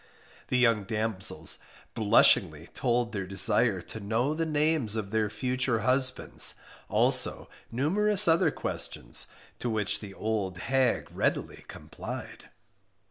The young damsels blushingly told their desire to know the names of their future husbands, also numerous other questions, to which the old hag readily complied.